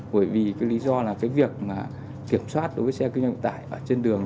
bởi vì cái lý do là việc kiểm soát đối với xe kinh doanh vận tải trên đường